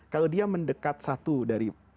kalau dia mendekat satu dari dua tangan